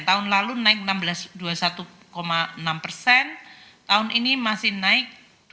tahun lalu naik dua puluh satu enam tahun ini masih naik dua puluh lima sembilan